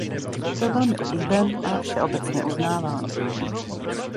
Byl velmi oblíben a všeobecně uznáván.